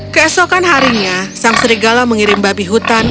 keesokan harinya sang serigala mengirim babi hutan